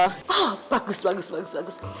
oh bagus bagus bagus